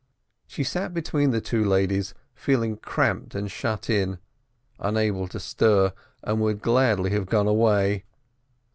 She sat between the two ladies, feeling cramped and shut in, unable to stir, and would gladly have gone away.